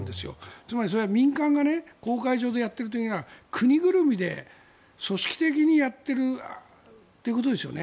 つまりそれは民間が公海上でやっているというよりは国ぐるみで組織的にやっているということですよね。